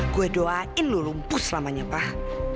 gue doain lu lumpuh selamanya pak